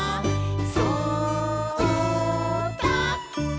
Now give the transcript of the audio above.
「そうだ！」